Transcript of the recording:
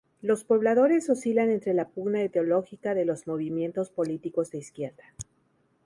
Los pobladores oscilan entre la pugna ideológica de los movimientos políticos de izquierda.